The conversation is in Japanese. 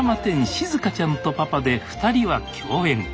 「しずかちゃんとパパ」で２人は共演。